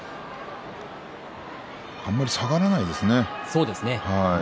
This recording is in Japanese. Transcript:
あまり下がらないですね。